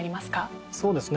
そうですね。